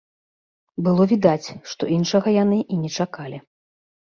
Было відаць, што іншага яны і не чакалі.